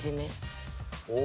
お！